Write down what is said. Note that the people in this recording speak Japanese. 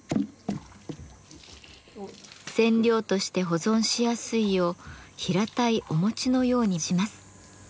染料として保存しやすいよう平たいお餅のようにします。